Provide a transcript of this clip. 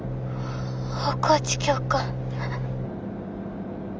大河内教官。